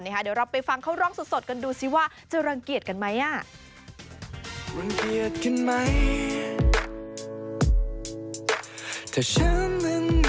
เดี๋ยวเราไปฟังเขาร้องสดกันดูสิว่าจะรังเกียจกันไหม